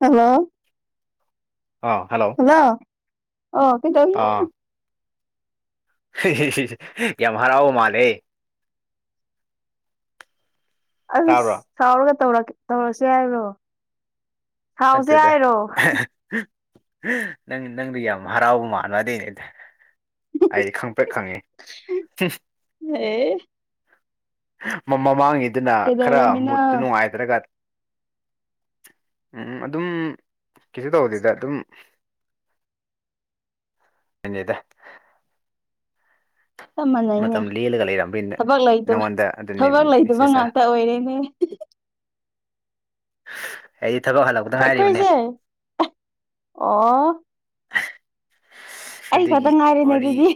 hello ꯑꯥ hello hello ꯑꯣ ꯀꯩꯗꯧ ꯑꯥꯏꯚꯚꯚ, ꯚꯚꯚꯚꯚꯚ, ꯚꯚꯚꯚꯚ, ꯚꯚꯙꯚꯙ, ꯚꯚꯙ ꯆꯛꯛ ꯙꯚꯛꯛꯙ ꯌꯝ ꯍꯔꯥꯥꯎꯕ ꯃꯥꯟꯂꯦ ꯑꯁ ꯇꯥꯕ꯭ꯔꯣ ꯁꯥꯎꯔꯒ ꯇꯧꯔꯛ ꯇꯧꯔꯁꯦ ꯍꯥꯏꯔꯣ ꯍꯥꯎꯁꯦ ꯅꯠꯇꯦꯗ ꯍꯥꯏꯔꯣ ꯅꯪ ꯅꯪꯗꯤ ꯌꯥꯝ ꯍꯔꯥꯎꯕ ꯃꯥꯜꯕ ꯑꯗꯨꯏꯅꯤꯗ ꯑꯩꯗꯤ ꯈꯪ ꯄꯦꯛ ꯈꯪꯉꯤ ꯍꯝ ꯑꯦ ꯃꯃꯥꯡ ꯃꯃꯥꯡꯒꯤꯗꯨꯅ ꯈꯔ ꯀꯩꯗꯧꯔꯝꯃꯤꯅꯣ ꯃꯨꯠꯇꯨ ꯅꯨꯡꯉꯥꯏ ꯍꯥꯏꯔꯀ ꯎꯝ ꯑꯗꯨꯝ ꯀꯩꯁꯨ ꯇꯧꯗꯦꯗ ꯑꯗꯨꯝ ꯍꯦꯟꯗꯦꯗꯥ ꯆꯞ ꯃꯥꯟꯅꯩꯅꯦ ꯃꯇꯝ ꯂꯦꯜꯂꯒ ꯂꯩꯔꯝꯕꯅꯤ ꯊꯕꯛ ꯂꯩꯇꯕ ꯅꯪꯉꯣꯟꯗ ꯑꯗꯨꯅꯤ ꯊꯕꯛ ꯂꯩꯇꯕ ꯃꯦꯁꯦꯁꯗ ꯉꯥꯛꯇ ꯑꯣꯏꯔꯦꯅꯦ ꯑꯩꯗꯤ ꯊꯕꯥꯛ ꯍꯜꯂꯛꯄꯥ ꯑꯩꯈꯣꯏꯁꯦ ꯑꯦ ꯑꯣ ꯑꯩ ꯈꯛꯇ ꯑꯗꯨꯒꯤ ꯉꯥꯏꯔꯦꯅꯦ ꯑꯗꯨꯗꯤ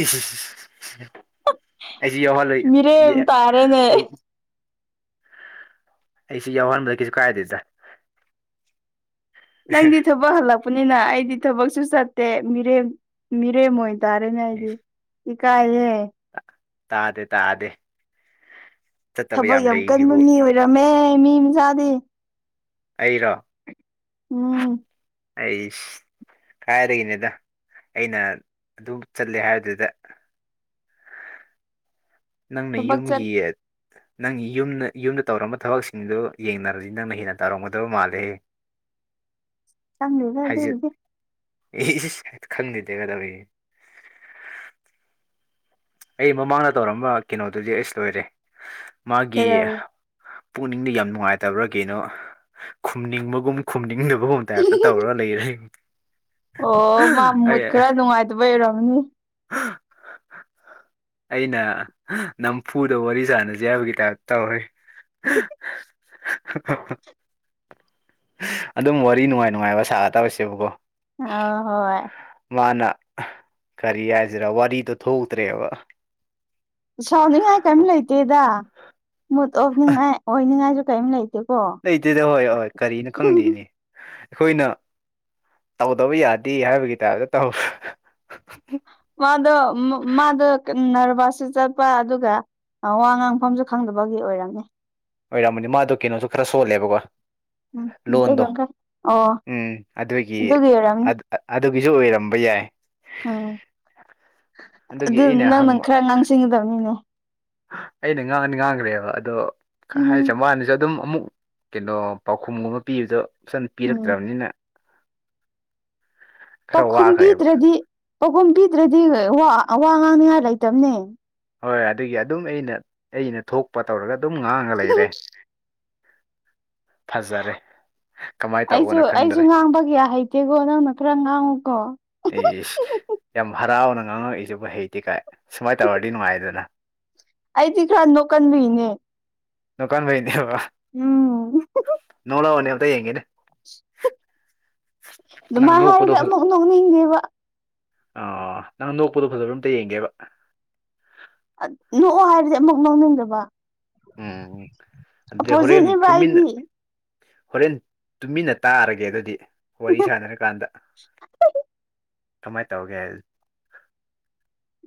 ꯏꯁ ꯑꯩꯁꯨ ꯌꯥꯎꯍꯜꯂꯣꯏ ꯃꯤꯔꯦꯝ ꯖꯦ ꯇꯥꯔꯦꯅꯦ ꯑꯩ ꯑꯩꯁꯨ ꯌꯥꯎꯍꯟꯕꯗ ꯀꯩꯁꯨ ꯀꯥꯏꯗꯦꯗ ꯅꯪꯗꯤ ꯊꯕꯛ ꯍꯜꯂꯛꯄꯅꯤꯅ ꯑꯩꯗꯤ ꯊꯕꯛꯁꯨ ꯆꯠꯇꯦ ꯃꯤꯔꯦꯝ ꯃꯤꯔꯦꯝ ꯑꯣꯏꯔꯦ ꯇꯔꯦꯅꯦ ꯑꯩꯗꯤ ꯏꯀꯥꯏ ꯍꯦ ꯇꯥꯗꯦ ꯇꯥꯗꯦ ꯆꯠꯇꯕ ꯊꯕꯛ ꯌꯥꯝ ꯀꯟꯕ ꯂꯩꯔꯤꯁꯤꯕꯨ ꯃꯤ ꯑꯣꯏꯔꯝꯃꯦ ꯃꯤ ꯃꯆꯥꯗꯤ ꯑꯩꯔꯣ ꯎꯝ ꯑꯩ ꯀꯥꯏꯔꯏꯅꯤꯗ ꯑꯩꯅ ꯑꯗꯨꯝ ꯆꯠꯂꯦ ꯍꯥꯏꯕꯗꯨꯗ ꯅꯪꯅ ꯊꯕꯛ ꯆꯠ ꯌꯨꯝꯒꯤꯌꯦ ꯅꯪꯒꯤ ꯌꯨꯝꯅ ꯌꯨꯝꯗ ꯇꯧꯔꯝꯕ ꯊꯕꯛꯁꯤꯡꯗꯣ ꯌꯦꯡꯅꯔꯗꯤ ꯅꯪꯅ ꯍꯦꯟꯅ ꯇꯧꯔꯝꯒꯗꯕ ꯃꯥꯜꯂꯦ ꯆꯪꯗꯦꯗ ꯍꯥꯏꯖꯤꯠ ꯑꯗꯨꯕꯨꯗꯤ ꯏꯁ ꯈꯪꯗꯦꯗꯒ ꯇꯧꯔꯛꯑꯦ ꯑꯩ ꯃꯃꯥꯡꯗ ꯇꯧꯔꯝꯕ ꯀꯩꯅꯣꯗꯨꯗꯤ ꯑꯩꯁ ꯂꯣꯏꯔꯦ ꯃꯥꯒꯤ ꯀꯩꯗꯧꯔꯤ ꯄꯨꯛꯅꯤꯡꯗ ꯌꯥꯝ ꯅꯨꯡꯉꯥꯏꯇꯕ꯭ꯔꯥ ꯀꯩꯅꯣ ꯈꯨꯝꯅꯤꯡꯕꯒꯨꯝ ꯈꯨꯝꯅꯤꯡꯗꯕꯒꯨꯝ ꯇꯥꯏꯞꯇ ꯇꯧꯔ ꯂꯩꯔꯦ ꯑꯩ ꯑꯗꯨꯕꯩ ꯑꯣꯏꯔꯝꯅꯤ ꯍꯥ ꯑꯩꯅ ꯅꯝꯐꯨꯗ ꯋꯥꯔꯤ ꯁꯥꯟꯅꯖꯦ ꯍꯥꯏꯕꯒꯤ ꯇꯥꯏꯞꯇ ꯇꯧꯔꯦ [inaudible] ꯑꯗꯨꯝ ꯋꯥꯔꯤ ꯅꯨꯡꯉꯥꯏ ꯅꯨꯡꯉꯥꯏꯕ ꯁꯥꯒ ꯇꯧꯔꯁꯦꯕꯀꯣ ꯑꯥ ꯍꯣꯏ ꯍꯣꯏ ꯃꯥꯅ ꯀꯔꯤ ꯍꯥꯏꯁꯤꯔꯥ ꯋꯥꯔꯤꯗꯣ ꯊꯣꯛꯎꯇ꯭ꯔꯦꯕ ꯁꯥꯎꯅꯤꯡꯉꯥꯏ ꯀꯦꯝ ꯂꯩꯇꯦꯗ ꯃꯨꯠ ꯑꯣꯞꯅꯤꯡꯉꯥꯏ ꯑꯣꯏꯅꯤꯡꯉꯥꯏꯒ ꯀꯦꯝ ꯂꯩꯇꯦꯀꯣ ꯂꯩꯇꯦꯗ ꯍꯣꯏ ꯍꯣꯏ ꯀꯔꯤꯅ ꯈꯪꯗꯦꯅꯦ ꯑꯩꯈꯣꯏꯅ ꯇꯧꯗꯕ ꯌꯥꯗꯦ ꯍꯥꯏꯕꯒꯤ ꯇꯥꯏꯞꯇ ꯇꯧ ꯃꯥꯗꯣ ꯃꯥ ꯃꯥꯗꯣ ꯀꯅꯔꯚꯁꯁꯨ ꯆꯠꯄ ꯑꯗꯨꯒ ꯑꯥ ꯋꯥ ꯉꯥꯡꯐꯝꯁꯨ ꯈꯪꯗꯕꯒꯤ ꯑꯣꯏꯔꯝꯅꯤ ꯑꯣꯏꯔꯝꯃꯅꯤ ꯃꯥꯗꯣ ꯀꯩꯅꯣꯁꯨ ꯈꯔ ꯁꯣꯜꯂꯦꯕꯀꯣ ꯎꯝ ꯂꯣꯟꯗꯣ ꯃꯩꯇꯩꯂꯣꯟ ꯈꯔ ꯑꯣ ꯎꯝ ꯑꯗꯨꯒꯤ ꯑꯠ ꯑꯑꯗꯨꯒꯤꯖꯨ ꯑꯣꯏꯔꯝꯕ ꯌꯥꯏ ꯎꯝ ꯑꯗꯨꯒꯤ ꯑꯗꯨ ꯑꯩꯅ ꯅꯪꯅꯪ ꯍꯪꯕ ꯈꯔ ꯉꯥꯡꯁꯤꯡꯒꯗꯕꯅꯤꯅꯦ ꯑꯩꯅ ꯉꯥꯡꯉꯗꯤ ꯉꯥꯡꯒꯔꯦꯕ ꯑꯗꯣ ꯎꯝ ꯍꯥꯏꯔꯤꯁꯦ ꯃꯅꯤꯁꯨ ꯑꯗꯨꯝ ꯑꯃꯨꯛ ꯀꯩꯅꯣ ꯄꯥꯎꯈꯨꯝꯒꯨꯝꯕ ꯄꯤꯕꯗꯣ ꯐꯖꯅ ꯎꯝ ꯄꯤꯔꯛꯇ꯭ꯔꯕꯅꯤꯅ ꯈꯔ ꯄꯥꯎꯈꯨꯝ ꯋꯥꯈ꯭ꯔꯦꯕ ꯄꯤꯗ꯭ꯔꯗꯤ ꯄꯥꯎꯈꯨꯝ ꯄꯤꯗ꯭ꯔꯗꯤ ꯋꯥ ꯑꯥ ꯋꯤ ꯉꯥꯡꯅꯤꯡꯉꯥꯏ ꯂꯩꯇꯕꯅꯦ ꯍꯣꯏ ꯑꯗꯨꯒꯤ ꯑꯗꯨꯝ ꯑꯩꯅ ꯑꯩꯅ ꯊꯣꯛꯄ ꯇꯧꯔꯒ ꯑꯗꯨꯝ ꯉꯥꯡꯉ ꯂꯩꯔꯦ ꯐꯖꯔꯦ ꯀꯃꯥꯏꯅ ꯑꯩꯁꯨ ꯇꯧꯕꯅꯣ ꯑꯩꯁꯨ ꯈꯪꯗꯔꯦ ꯉꯥꯡꯕ ꯀꯌꯥ ꯍꯩꯇꯦꯀꯣ ꯅꯪꯅ ꯈꯔ ꯉꯥꯡꯉꯨꯀꯣ ꯑꯩꯁ ꯌꯥꯝ ꯍꯔꯥꯎꯅ ꯉꯥꯡꯉꯛꯏꯁꯤꯕꯨ ꯍꯩꯇꯦ ꯀꯥꯏ ꯁꯨꯃꯥꯏ ꯇꯧꯔꯗꯤ ꯅꯨꯡꯉꯥꯏꯗꯅ ꯑꯩꯗꯤ ꯈꯔ ꯅꯣꯛꯀꯟꯕꯩꯅꯦ ꯅꯗꯨꯀꯥꯟꯕꯩꯅꯦꯕ ꯎꯝ ꯅꯣꯛꯂꯛꯑꯣꯅꯦ ꯑꯝꯇ ꯌꯦꯡꯒꯦꯅꯦ ꯅꯪ ꯑꯗꯨꯃꯥꯏ ꯅꯣꯛꯄꯗꯣ ꯍꯥꯏꯔꯗꯤ ꯐꯖ ꯑꯃꯨꯛ ꯅꯣꯛꯅꯤꯡꯗꯦꯕ ꯑꯣ ꯅꯪ ꯅꯣꯛꯄꯗꯣ ꯐꯖꯕꯔ ꯑꯝꯇ ꯌꯦꯡꯒꯦꯕ ꯑꯠ ꯂꯣꯛꯑꯣ ꯍꯥꯏꯕꯗꯤ ꯑꯃꯨꯛ ꯅꯣꯛꯅꯤꯡꯗꯕ ꯎꯝ ꯑꯗꯨꯗꯤ ꯍꯣꯔꯦꯟ ꯑꯣꯄꯣꯖꯤꯠꯅꯦꯕ ꯇꯨꯃꯤꯟꯅ ꯑꯩꯗꯤ ꯍꯣꯔꯦꯟ ꯇꯨꯃꯤꯟꯅ ꯇꯥꯔꯒꯦ ꯑꯗꯨꯗꯤ ꯋꯥꯔꯤ ꯁꯥꯟꯅꯔꯀꯥꯟꯗ ꯀꯃꯥꯏ ꯇꯧꯒꯦ ꯍꯥꯏꯗꯣ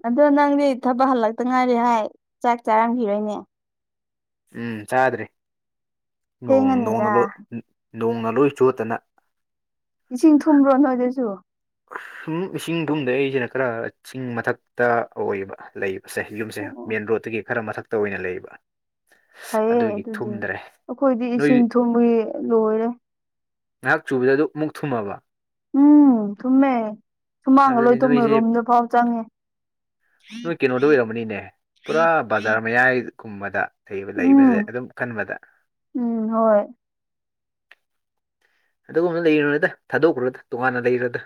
ꯑꯗꯣ ꯅꯪꯗꯤ ꯊꯕꯛ ꯍꯜꯂꯛꯇ ꯉꯥꯏꯔꯤ ꯍꯥꯏ ꯆꯥꯛ ꯆꯥꯔꯝꯈꯤꯔꯣꯏꯅꯦ ꯎꯝ ꯆꯥꯗ꯭ꯔꯤ ꯅꯣꯡ ꯅꯣꯡꯅ ꯊꯦꯡꯉꯅꯤꯗ ꯂꯣꯏꯅꯣꯡꯅ ꯂꯣꯏ ꯆꯣꯠꯇꯅ ꯏꯁꯤꯡ ꯊꯨꯝꯕ꯭ꯔꯣ ꯅꯣꯏꯗꯁꯨ ꯑꯁ ꯍꯨꯝ ꯏꯁꯤꯡ ꯊꯨꯝꯗꯦ ꯑꯩꯁꯤꯅ ꯈꯔ ꯆꯤꯡ ꯃꯊꯛꯇ ꯑꯣꯏꯕ ꯂꯩꯕ ꯑꯁꯦ ꯌꯨꯝꯁꯦ ꯑꯣ ꯃꯦꯟ ꯔꯣꯗꯇꯒꯤ ꯈꯔ ꯃꯊꯛꯇ ꯑꯣꯏꯅ ꯂꯩꯕ ꯐꯩꯌꯦ ꯑꯗꯨꯒꯤ ꯑꯗꯨꯗꯤ ꯊꯨꯝꯗ꯭ꯔꯦ ꯑꯩꯈꯣꯏꯗꯤ ꯅꯣꯏ ꯏꯁꯤꯡ ꯊꯨꯝꯕꯒꯤ ꯂꯣꯏꯔꯦ ꯉꯥꯏꯍꯥꯛ ꯆꯨꯕꯗ ꯑꯗꯨ ꯃꯨꯛ ꯊꯨꯝꯃꯕ ꯎꯝ ꯊꯨꯝꯃꯦ ꯁꯨꯃꯥꯡꯒ ꯂꯣꯏ ꯑꯗꯨꯗꯤ ꯊꯨꯝꯃꯦ ꯅꯣꯏꯁꯦ ꯔꯨꯝꯗ ꯐꯥꯎ ꯆꯪꯉꯦ ꯃꯅꯤꯅꯦ ꯄꯨꯔꯥ ꯕꯖꯥꯔ ꯃꯌꯥꯏꯒꯨꯝꯕꯗ ꯀꯩꯕ ꯎꯝ ꯂꯩꯕꯖꯦ ꯑꯗꯨꯝ ꯈꯟꯕꯗ ꯎꯝ ꯍꯣꯏ ꯑꯗꯨꯒꯨꯝꯕꯗ ꯂꯩꯔꯨꯅꯨꯗ ꯊꯥꯗꯣꯛꯈꯔꯣꯗ ꯇꯣꯉꯥꯟꯅ ꯂꯩꯔꯣꯗ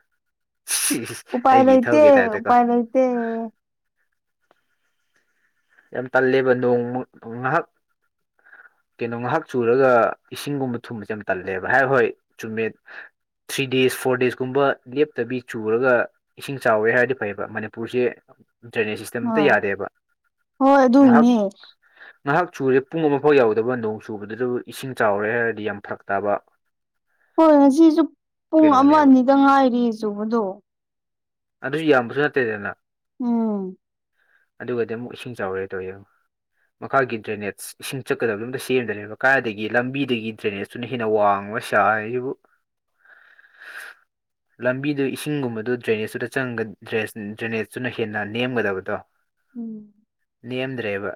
ꯁꯤꯁ ꯎꯄꯥꯥꯏ ꯂꯩꯍꯤꯇꯦ ꯎꯄꯥꯥꯏ ꯂꯩꯏꯇꯦ ꯌꯥꯝ ꯇꯜꯂꯦꯕ ꯅꯣꯡꯃꯛ ꯉꯥꯍꯥꯛ ꯀꯩꯅꯣ ꯉꯥꯍꯥꯛ ꯆꯨꯔꯒ ꯏꯁꯤꯡꯒꯨꯝꯕ ꯊꯨꯝꯕꯁꯦ ꯌꯥꯝ ꯇꯜꯂꯦꯕ ꯍꯥꯏ ꯍꯣꯏ ꯆꯨꯝꯃꯦ ꯊ꯭ꯔꯤ ꯗꯦꯖ ꯐꯣꯔ ꯗꯦꯁꯀꯨꯝꯕ ꯂꯦꯞꯇꯕꯤ ꯆꯨꯔꯒ ꯏꯁꯤꯡ ꯆꯥꯎꯋꯦ ꯍꯥꯏꯔꯗꯤ ꯐꯩꯌꯦꯕ ꯃꯅꯤꯄꯨꯔꯁꯦ ꯗ꯭ꯔꯦꯅꯦꯖ ꯁꯤꯁꯇꯦꯝ ꯑꯝꯇ ꯍꯣꯏ ꯌꯥꯗꯦꯕ ꯍꯣꯏ ꯉꯥꯏꯍꯥꯛ ꯑꯗꯨꯏꯅꯦ ꯉꯥꯏꯍꯥꯛ ꯆꯨꯨꯔꯦ ꯄꯨꯡ ꯑꯃꯐꯥꯎ ꯌꯎꯗꯕ ꯅꯣꯡ ꯆꯨꯕꯗꯨꯗꯕꯨ ꯏꯁꯤꯡ ꯆꯥꯎꯔꯦ ꯍꯥꯏꯔꯗꯤ ꯌꯥꯝ ꯐꯔꯛꯇꯥꯕ ꯍꯣꯏ ꯉꯁꯤꯖꯨ ꯄꯨꯡ ꯑꯃ ꯀꯩꯅꯣꯅꯦꯕ ꯑꯅꯤꯗ ꯉꯥꯏꯔꯤ ꯆꯕꯗꯣ ꯑꯗꯨꯏ ꯌꯥꯝꯕꯁꯨ ꯅꯠꯇꯦꯗꯅ ꯎꯝ ꯑꯗꯨꯒꯗꯤ ꯑꯃꯨꯛ ꯏꯁꯤꯡ ꯆꯥꯎꯔꯦ ꯇꯧꯔꯤꯖꯦ ꯌꯦꯡꯉꯣ ꯃꯈꯥꯒꯤ ꯗ꯭ꯔꯦꯅꯦꯖ ꯏꯁꯤꯡ ꯆꯠꯀꯗꯕꯗꯨ ꯑꯝꯇ ꯁꯦꯝꯗꯔꯦꯕ ꯀꯥꯏꯗꯒꯤ ꯂꯝꯕꯤꯗꯒꯤ ꯗ꯭ꯔꯦꯅꯦꯖꯇꯨꯅ ꯍꯦꯟꯅ ꯋꯥꯡꯕ ꯆꯔꯤꯁꯤꯕꯨ [inaudible] ꯂꯝꯕꯤꯗ ꯏꯁꯤꯡꯒꯨꯝꯕꯗ ꯗ꯭ꯔꯦꯅꯦꯖꯇꯨꯗꯠ ꯗ꯭ꯔꯦꯅꯦꯖꯇꯨꯅ ꯍꯦꯟꯅ ꯅꯦꯝꯒꯗꯕꯗꯣ ꯎꯝ ꯅꯦꯝꯗ꯭ꯔꯦꯕ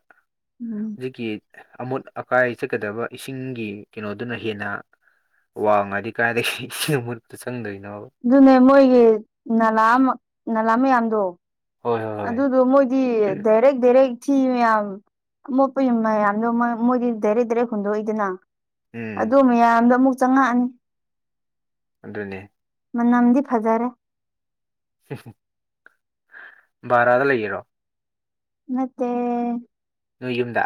ꯎꯝ ꯍꯧꯖꯤꯛꯀꯤ ꯑꯃꯣꯠ ꯑꯀꯥꯏ ꯆꯠꯀꯗꯕ ꯏꯁꯤꯡꯒꯤ ꯀꯩꯅꯣꯗꯨꯅ ꯍꯦꯟꯅ ꯋꯥꯉꯥꯗꯤ ꯀꯗꯥꯏꯗꯒꯤ ꯏꯁꯤꯡ ꯃꯨꯠꯄꯗ ꯆꯪꯗꯣꯏꯅꯣꯕ ꯑꯗꯨꯅꯦ ꯃꯣꯏꯒꯤ ꯂꯥ ꯅꯅꯥꯂꯥ ꯃꯌꯥꯝꯗꯣ ꯍꯣꯏ ꯍꯣꯏ ꯍꯣꯏ ꯑꯗꯨꯗꯣ ꯃꯣꯏꯗꯤ ꯗꯥꯏꯔꯦꯛ ꯗꯥꯏꯔꯦꯛ ꯊꯤ ꯃꯌꯥꯝ ꯃꯄ ꯌꯥꯝꯗꯣ ꯃꯣꯏ ꯦꯔꯦ ꯗꯦꯔ ꯍꯟꯗꯣꯣꯏꯗꯅ ꯎꯝ ꯑꯗꯨ ꯃꯌꯥꯝꯗꯣ ꯑꯃꯨꯛ ꯆꯪꯉꯛꯑꯅꯤ ꯑꯗꯨꯅꯤ ꯃ ꯅ ꯑꯃꯗꯤꯞ ꯍꯖꯥꯔꯦ ꯚꯔꯥꯗ ꯂꯩꯒꯔꯣ ꯃꯠꯇꯦ ꯅꯣꯏ ꯌꯨꯝꯗ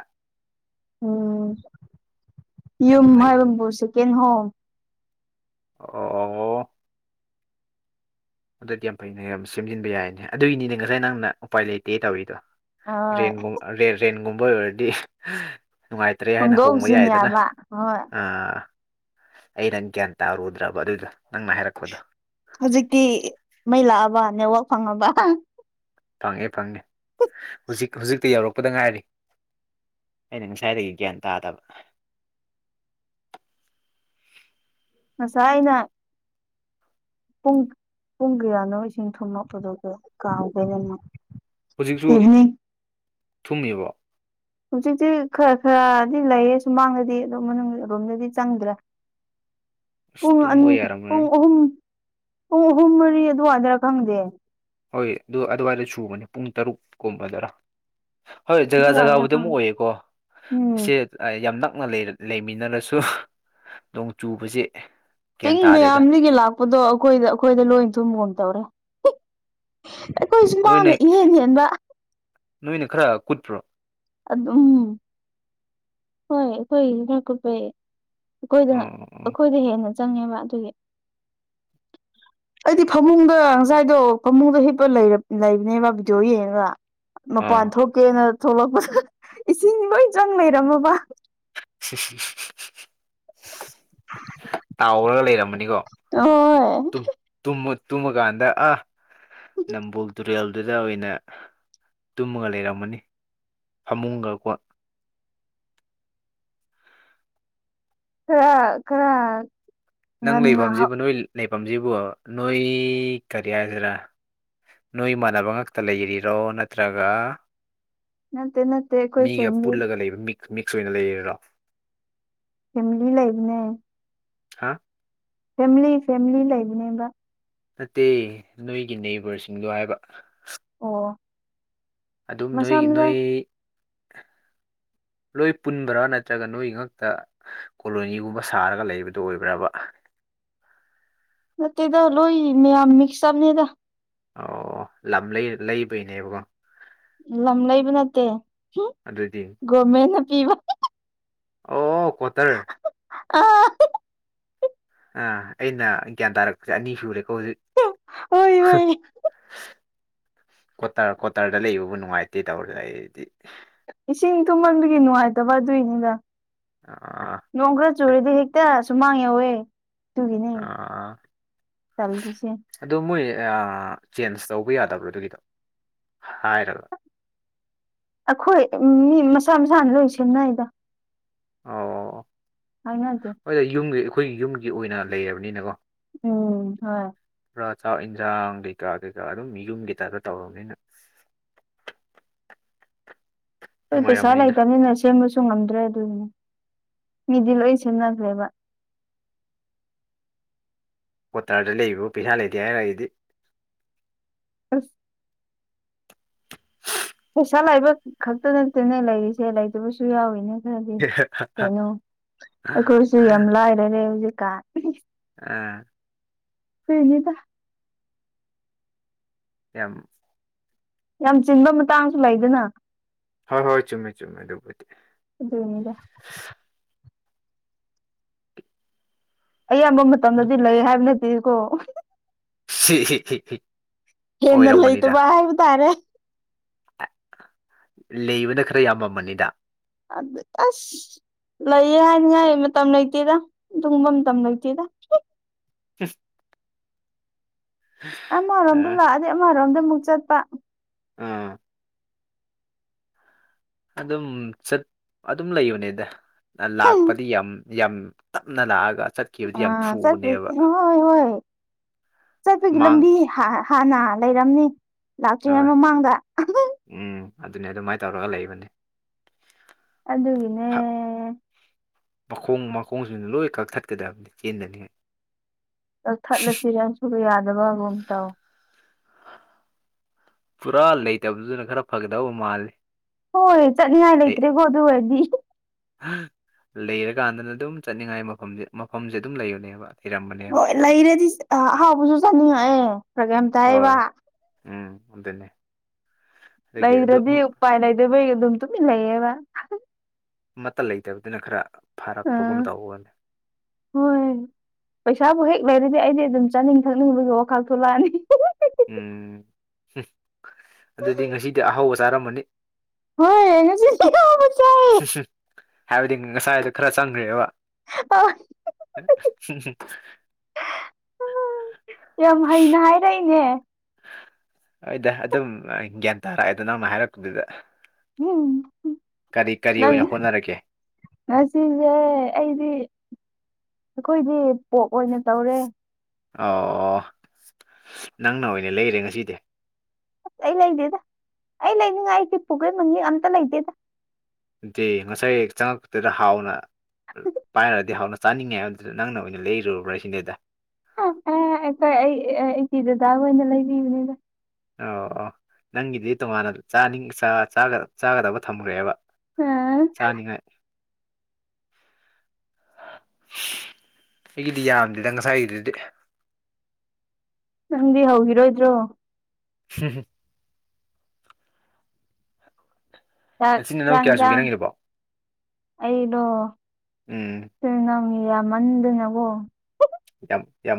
ꯎꯝ ꯌꯥꯝ ꯌꯨꯝ ꯐꯩ ꯃꯔꯔꯕꯨꯁꯨ ꯀꯦꯩꯅ ꯍꯣ ꯑꯣ ꯑꯣ ꯑꯗꯨꯗꯤ ꯌꯥꯝ ꯐꯩꯩꯅ ꯌꯥꯝ ꯁꯦꯝꯖꯤꯟꯕ ꯌꯥꯏꯅꯦ ꯑꯗꯨꯒꯤꯅꯤꯅꯦ ꯉꯁꯥꯏ ꯅꯪꯅ ꯎꯄꯥꯏ ꯂꯩꯇꯦ ꯇꯧꯔꯤꯗꯣ ꯍꯣꯏ ꯔꯦꯟꯒꯨꯝ ꯔ ꯔꯦꯟꯒꯨꯝꯕ ꯑꯣꯏꯔꯗꯤ ꯅꯨꯡꯉꯥꯏꯇ꯭ꯔꯦ ꯍꯥꯏꯅ ꯍꯣꯡꯕ ꯍꯣꯡꯗꯣꯛꯁꯤꯟ ꯌꯥꯏꯗꯅ ꯌꯥꯕ ꯍꯣꯏ ꯑ ꯑꯩ ꯅꯪ ꯒ꯭ꯌꯥꯟ ꯇꯥꯔꯨꯗ꯭ꯔꯕ ꯑꯗꯨꯏꯗꯣ ꯅꯪꯅ ꯍꯥꯏꯔꯛꯄꯗꯣ ꯍꯧꯖꯤꯛꯇꯤ ꯃꯩ ꯂꯥꯛꯑꯕ ꯅꯦꯠꯋꯥꯛ ꯐꯪꯉꯕ ꯐꯪꯉꯦ ꯐꯪꯉꯦ ꯍꯧꯖꯤꯛ ꯍꯧꯖꯤꯛꯇ ꯌꯧꯔꯛꯄꯗ ꯉꯥꯏꯔꯤ ꯑꯩꯅ ꯉꯁꯥꯏꯗꯒꯤ ꯒ꯭ꯌꯥꯟ ꯇꯥꯗꯕ ꯍꯁꯥꯏꯅ ꯄꯨꯡ ꯄꯨꯡ ꯀꯌꯥꯅꯣ ꯏꯁꯤꯡ ꯊꯨꯝꯂꯛꯄꯗꯨꯒ ꯀꯥꯎꯈꯦ ꯅꯅ ꯍꯧꯖꯤꯛꯁꯨ ꯊꯨꯡꯉꯕ ꯍꯧꯖꯤꯛꯇꯤ ꯈꯔ ꯈꯔꯗꯤ ꯂꯩꯌꯦ ꯁꯨꯃꯥꯡꯗꯗꯤ ꯑꯗꯨꯗꯣꯝ ꯃꯅꯨꯡ ꯑꯣꯝꯗꯗꯤ ꯆꯪꯗ꯭ꯔꯦꯥ ꯑꯁ ꯄꯨꯡ ꯑ ꯇꯨꯝꯕ ꯌꯥꯔꯝꯃꯣꯏ ꯄꯨꯡ ꯑꯍꯨꯝ ꯄꯨꯡ ꯑꯍꯨꯝ ꯃꯔꯤ ꯑꯗꯨꯋꯥꯏꯗꯔ ꯈꯪꯗꯦ ꯍꯣꯏ ꯑꯗꯨ ꯑꯗꯨꯋꯥꯏꯗ ꯁꯨꯕꯅꯦ ꯄꯨꯡ ꯇꯔꯨꯛꯀꯨꯝꯕꯗꯔ ꯍꯣꯏ ꯖꯒꯥ ꯑꯗꯨꯋꯥꯏꯗꯔ ꯖꯒꯥꯕꯨꯗꯤ ꯑꯗꯨꯝ ꯈꯪꯗꯦ ꯑꯣꯏꯌꯦꯀꯣ ꯎꯝ ꯑꯁꯤꯦ ꯌꯥꯝ ꯅꯛꯅ ꯂꯩꯃꯤꯟꯅꯔꯁꯨ ꯅꯣꯡ ꯆꯨꯕꯁꯤꯦ ꯆꯤꯡ ꯃꯌꯥꯝꯗꯒꯤ ꯂꯥꯛꯄꯗꯣ ꯑꯩꯈꯣꯏꯗ ꯑꯩꯈꯣꯏꯗ ꯂꯣꯏ ꯊꯨꯝꯕꯒꯝ ꯇꯧꯔꯦ ꯑꯩꯈꯣꯏꯁꯨ ꯅꯣꯏꯅ ꯃꯥꯡꯅ ꯏꯍꯟ ꯍꯟꯕ ꯅꯣꯏꯅ ꯈꯔ ꯀꯨꯠꯄ꯭ꯔꯣ ꯑꯗꯨꯝ ꯍꯣꯏ ꯑꯩꯈꯣꯏ ꯀꯨꯞꯄꯩ ꯑꯩꯈꯣꯏꯗꯅ ꯑꯥ ꯑꯥ ꯑꯩꯈꯣꯏꯗ ꯍꯦꯟꯅ ꯆꯪꯉꯦꯕ ꯑꯗꯨꯒꯤ ꯑꯩꯗꯤ ꯐꯃꯨꯡꯗ ꯉꯁꯥꯏꯗꯣ ꯐꯃꯨꯡꯗ ꯍꯤꯞꯄ ꯂꯩꯕꯅꯦꯕ ꯚꯗꯤꯑꯣ ꯌꯦꯡꯉꯒ ꯃꯄꯥꯟ ꯑꯥ ꯊꯣꯛꯀꯦꯅ ꯊꯣꯛꯂꯛꯄ ꯏꯁꯤꯡ ꯂꯣꯏ ꯆꯪ ꯂꯩꯔꯝꯃꯕ ꯇꯥꯎꯔꯒ ꯂꯩꯔꯝꯃꯅꯤꯀꯣ ꯍꯣꯏ ꯇꯨꯝꯃꯀꯥꯟꯗ ꯑ ꯅꯝꯕꯨꯣꯜ ꯇꯨꯔꯦꯜꯗꯨꯗ ꯑꯣꯏꯅ ꯇꯨꯝꯃꯒ ꯂꯩꯔꯝꯃꯅꯤ ꯐꯃꯨꯡꯒ ꯀꯣ ꯈꯔ ꯈꯔ ꯅꯪ ꯉꯟꯅ ꯂꯩꯐꯝꯁꯤꯕ ꯅꯣꯏ ꯂꯩꯐꯝꯁꯤꯕꯣ ꯅꯣꯏ ꯀꯔꯤ ꯍꯥꯏꯁꯤꯔꯥ ꯅꯣꯏ ꯏꯃꯥꯟꯅꯕ ꯉꯛꯇ ꯂꯩꯔꯤꯔꯣ ꯅꯠꯇ꯭ꯔꯒ ꯅꯠꯇꯦ ꯅꯠꯇꯦ ꯑꯩꯈꯣꯏ ꯃꯤꯒ ꯐꯦꯃꯤꯂꯤ ꯄꯨꯜꯂꯒ ꯂꯩꯕ ꯃꯤ ꯃꯤꯛꯁ ꯑꯣꯏꯅ ꯂꯩꯔꯔꯣ ꯐꯦꯃꯤꯂꯤ ꯂꯩꯕꯅꯦ ꯍꯥꯥ ꯐꯦꯝꯂꯤ ꯐꯦꯃꯤꯂꯤ ꯂꯩꯕꯅꯦꯕ ꯅꯠꯇꯦ ꯅꯣꯏꯒꯤ ꯅꯕꯔꯁꯤꯡꯗꯣ ꯍꯥꯏꯕ ꯑꯣ ꯑꯣ ꯑꯗꯨꯝ ꯃꯁꯥ ꯅꯣꯏ ꯃꯁꯥ ꯅꯣꯏ ꯂꯣꯏ ꯄꯨꯟꯕ꯭ꯔꯥ ꯅꯠꯇ꯭ꯔꯒ ꯅꯣꯏ ꯉꯛꯇ ꯀꯣꯂꯣꯅꯤꯒꯨꯝꯕ ꯁꯥꯔꯒ ꯂꯩꯕꯗꯨꯣ ꯑꯣꯏꯕ꯭ꯔꯕ ꯅꯠꯇꯦꯗ ꯂꯣꯏ ꯃꯌꯥꯝ ꯃꯤꯛꯁ ꯑꯞꯅꯤꯗ ꯑꯣ ꯂꯝ ꯂꯩ ꯂꯩꯕꯩꯅꯦꯕꯀꯣ ꯂꯝ ꯂꯩꯕ ꯅꯠꯇꯦ ꯑꯗꯨꯗꯤ ꯒꯣꯔꯃꯦꯟꯅ ꯄꯤꯕ ꯑꯣ ꯀ꯭ꯋꯥꯇꯔ ꯑ ꯑꯥ ꯑꯩꯅ ꯒ꯭ꯌꯥꯟ ꯇꯥꯔꯛꯄꯁꯦ ꯑꯅꯤ ꯁꯨꯔꯦꯀꯣ ꯍꯧꯖꯤꯛ ꯍꯣꯏ ꯍꯣꯏ ꯀ꯭ꯋꯥꯇꯔ ꯀ꯭ꯋꯥꯇꯔꯗ ꯂꯩꯕꯕꯨ ꯅꯨꯡꯉꯥꯏꯇꯦ ꯇꯧꯔ ꯂꯩꯔꯗꯤ ꯏꯁꯤꯡ ꯊꯨꯝꯃꯟꯗꯕꯒꯤ ꯅꯨꯡꯉꯥꯏꯇꯕ ꯑꯗꯨꯏꯅꯤꯗ ꯑꯥ ꯅꯣꯡ ꯈ꯭ꯔ ꯆꯨꯔꯗꯤ ꯍꯦꯛꯇ ꯁꯨꯃꯥꯡ ꯌꯥꯧꯋꯦ ꯑꯗꯨꯒꯤꯅꯦ [unintelligible] ꯑꯣ ꯃꯣꯏ ꯑ ꯆꯦꯟꯖ ꯇꯧꯕ ꯌꯥꯗꯕ꯭ꯔꯣ ꯑꯗꯨꯒꯤꯗꯣ ꯍꯥꯏꯔꯒ ꯑꯩꯈꯣꯏ ꯃꯤ ꯃꯁꯥ ꯃꯁꯥꯅ ꯂꯣꯏ ꯁꯦꯝꯅꯩꯗ ꯑꯣ [unintelligible] ꯍꯣꯏꯗ ꯌꯨꯝꯒꯤ ꯑꯩꯈꯣꯏꯒꯤ ꯌꯨꯝꯒꯤ ꯑꯣꯏꯅ ꯂꯩꯔꯕꯅꯤꯅꯀꯣ ꯎꯝ ꯍꯣꯏ ꯄꯨꯔ ꯆꯥꯛ ꯏꯟꯁꯥꯡ ꯀꯩꯀꯥ ꯀꯩꯀꯥ ꯑꯗꯨꯝ ꯌꯨꯝꯒꯤ ꯇꯥꯏꯞꯇ ꯇꯧꯔꯃꯤꯅ ꯍꯣꯏ ꯄꯩꯁꯥ ꯅꯨꯡꯉꯥꯏꯔꯝꯅꯤꯗ ꯂꯩꯇꯅꯤꯅ ꯁꯦꯝꯕꯁꯨ ꯉꯝꯗ꯭ꯔꯦ ꯑꯗꯨꯗꯨꯅꯤ ꯃꯤꯗꯤ ꯂꯣꯏ ꯁꯦꯝꯅꯗ꯭ꯔꯦꯕ ꯀ꯭ꯋꯥꯇꯔꯗ ꯂꯩꯕꯕꯨ ꯄꯩꯁꯥ ꯂꯩꯇꯦ ꯍꯥꯏꯔꯒꯗꯤ ꯑꯁ ꯄꯩꯁꯥ ꯂꯥꯏꯕ ꯈꯛꯇ ꯅꯠꯇꯦꯅꯦ ꯂꯩꯔꯤꯁꯦ ꯂꯩꯇꯕꯁꯨ ꯌꯥꯎꯔꯤꯅꯦ ꯑꯗꯨꯗꯤ ꯀꯩꯅꯣ ꯑꯩꯈꯣꯏꯁꯨ ꯌꯥꯝ ꯂꯥꯏꯔꯔꯦ ꯍꯧꯖꯤꯛꯀꯥꯟ ꯑꯥ [unintelligible] ꯌꯥꯝ ꯌꯥꯝ ꯆꯤꯟꯕ ꯃꯇꯥꯡꯁꯨ ꯂꯩꯗꯅ ꯍꯣꯏ ꯍꯣꯏ ꯆꯨꯝꯃꯦ ꯆꯨꯝꯃꯦ ꯑꯗꯨꯕꯨꯗꯤ ꯑꯗꯨꯅꯤꯗ ꯑꯌꯥꯝꯕ ꯃꯇꯝꯗꯗꯤ ꯂꯩ ꯍꯥꯏꯕ ꯅꯠꯇꯦꯀꯣ [unintelligible] ꯍꯦꯟꯅ ꯑꯣꯏꯔꯝꯃꯅꯤꯗ ꯂꯩꯇꯕ ꯍꯥꯏꯕ ꯇꯥꯔꯦ ꯂꯩꯕꯅ ꯈꯔ ꯌꯥꯝ ꯃꯅꯤꯗ ꯑꯗꯨ ꯑꯁ ꯂꯩꯌꯦ ꯍꯥꯏꯅꯤꯡꯉꯥꯏ ꯃꯇꯝ ꯂꯩꯇꯦꯗ ꯑꯗꯨꯒꯨꯝꯕ ꯃꯇꯝ ꯂꯩꯇꯦꯗ [unintelligible] ꯑꯃꯔꯣꯝꯗ ꯑ ꯂꯥꯛꯑꯗꯤ ꯑꯃꯔꯣꯝꯗ ꯑꯃꯨꯛ ꯆꯠꯄ ꯎꯝ ꯑꯗꯨꯝ ꯆꯠ ꯑꯗꯨꯝ ꯂꯩꯕꯅꯦꯗ ꯂꯥꯛꯄꯗꯤ ꯌꯥꯝ ꯌꯥꯝ ꯇꯞꯅ ꯂꯥꯛꯑꯒ ꯆꯠ ꯑ [unintelligible] ꯍꯣꯏ ꯍꯣꯏ ꯆꯠꯄꯒꯤ ꯃꯥꯡ ꯂꯝꯕꯤ ꯍꯥꯟꯅ ꯂꯩꯔꯝꯅꯤ ꯂꯥꯛꯇ꯭ꯔꯤꯉꯩ ꯍꯣꯏ ꯃꯃꯥꯡꯗ ꯎꯝ ꯑꯗꯨꯅꯦ ꯑꯗꯨꯃꯥꯏꯅ ꯇꯧꯔꯒ ꯂꯩꯕꯅꯤ ꯑꯗꯨꯗꯨꯅꯦ ꯃꯈꯣꯡ ꯃꯈꯣꯡꯁꯤꯗ ꯂꯣꯏ ꯀꯛꯊꯠꯀꯗꯕꯅꯤ ꯆꯦꯟꯗ꯭ꯔꯗꯤ [unintelligible] ꯁꯨꯕ ꯌꯥꯗꯕ ꯑꯃꯨꯛꯑꯃ ꯇꯧ ꯄꯨꯔꯥ ꯂꯩꯇꯕꯗꯨꯅ ꯈꯔ ꯐꯒꯗꯕ ꯃꯥꯜꯂꯤ ꯍꯣꯏ ꯆꯠꯅꯤꯡꯉꯥꯏ ꯂꯩꯇ꯭ꯔꯦꯀꯣ ꯑꯗꯨ ꯑꯣꯏꯔꯗꯤ ꯂꯩꯔꯀꯥꯟꯗꯅ ꯑꯗꯨꯝ ꯆꯠꯅꯤꯡꯉꯥꯏ ꯃꯐꯝꯁꯦ ꯃꯐꯝꯁꯦ ꯑꯗꯨꯝ ꯂꯩꯌꯅꯦꯕ ꯍꯣꯏ ꯂꯩꯔꯗꯤ ꯑꯍꯥꯎꯕꯁꯨ ꯆꯥꯅꯤꯡꯉꯛꯑꯦ ꯄ꯭ꯔꯣꯒ꯭ꯝ ꯇꯥꯏꯕ ꯍꯣꯏ ꯎꯝ ꯑꯗꯨꯗꯟꯅꯦ ꯂꯩꯗ꯭ꯔꯗꯤ ꯎꯄꯥꯏ ꯂꯩꯗꯕꯩ ꯑꯗꯨꯝ ꯇꯨꯃꯤꯟ ꯂꯩꯌꯦꯕ ꯑꯃꯠꯇ ꯂꯩꯇꯕꯗꯨꯅ ꯈꯔ ꯑꯥ ꯐꯥꯔꯛꯄꯒꯨꯝ ꯇꯧꯕꯒꯅꯤ ꯍꯣꯏ ꯄꯩꯁꯥꯕꯨ ꯍꯦꯛ ꯂꯩꯔꯗꯤ ꯑꯩꯗꯤ ꯑꯗꯨꯝ ꯆꯥꯅꯤꯡ ꯊꯛꯅꯤꯡꯕꯒꯤ ꯋꯥꯈꯥꯛ ꯊꯣꯛꯂꯛꯑꯅꯤ ꯎꯝ ꯑꯗꯨꯗꯤ ꯉꯁꯤꯗꯤ ꯑꯍꯥꯎꯕ ꯆꯥꯔꯝꯝꯕꯅꯤ ꯍꯣꯏ ꯍꯥꯏꯕꯗꯤ ꯉꯁꯥꯏꯗꯣ ꯈꯔ ꯆꯪꯈ꯭ꯔꯦꯕ [unintelligible] ꯌꯥꯝ ꯍꯩꯅ ꯍꯥꯏꯔꯛꯏꯅꯦ ꯍꯗ ꯑꯗꯨꯝ ꯒ꯭ꯌꯥꯟ ꯇꯥꯔꯛꯑꯦꯗ ꯅꯪꯅ ꯍꯥꯏꯔꯛꯄꯗꯨꯗ ꯎꯝ ꯀꯔꯤ ꯀꯔꯤ ꯑꯣꯏꯅ ꯍꯣꯠꯅꯔꯒꯦ ꯍꯁꯤꯁꯦ ꯑꯩꯗꯤ ꯑꯩꯈꯣꯏꯗꯤ ꯄꯣꯞ ꯑꯣꯏꯅ ꯇꯧꯔꯦ ꯑꯣ ꯅꯪꯅ ꯑꯣꯏꯅ ꯂꯩꯔꯦ ꯉꯁꯤꯗꯤ ꯑꯩ ꯂꯩꯗꯦꯗ ꯑꯩ ꯂꯩꯅꯤꯡꯉꯥꯏ ꯑꯩꯆꯦ ꯄꯨꯈꯩ ꯃꯒꯤꯦꯛ ꯑꯝꯇ ꯂꯩꯇꯦꯗ ꯑꯗꯨꯗꯤ ꯉꯁꯥꯏ ꯆꯪꯉꯛꯄꯗꯨꯗ ꯍꯥꯎꯅ ꯄꯥꯏꯔꯗꯤ ꯍꯥꯎꯅ ꯆꯥꯅꯤꯡꯉꯦ ꯍꯥꯏꯕꯗꯨꯗ ꯅꯪꯅ ꯑꯣꯏꯅ ꯂꯩꯔꯨꯔꯕ꯭ꯔꯥ ꯁꯤꯅꯦꯗ ꯑꯩꯈꯣꯏ ꯑꯩ ꯏꯆꯦ ꯗꯗꯥ ꯑꯣꯏꯅ ꯂꯩꯕꯤꯕꯅꯤꯗ ꯑꯣ ꯑꯣ ꯅꯪꯒꯤꯗꯤ ꯇꯣꯉꯥꯟꯅ ꯆꯥꯅꯤꯡ ꯆꯥꯒꯗꯕ ꯊꯝꯈ꯭ꯔꯦꯕ ꯑ ꯆꯥꯅꯤꯉꯦ [unintelligible] ꯑꯩꯒꯤꯗꯤ ꯌꯥꯝꯗꯦꯗ ꯉꯁꯥꯏꯒꯤꯗꯨꯗꯤ ꯅꯪꯗꯤ ꯍꯧꯒꯔꯣꯏꯗ꯭ꯔꯣ ꯍ ꯆꯥꯛ ꯅꯆꯤꯟ ꯅꯅꯥꯎ ꯆꯥꯡ ꯀꯌꯥ ꯁꯨꯒꯦ ꯆꯥꯡ ꯅꯪꯒꯤꯗꯨꯕꯣ ꯑꯩꯗꯣ ꯎꯝ ꯅꯝ ꯃꯗꯅꯒ ꯌꯥꯝ ꯌꯥꯝ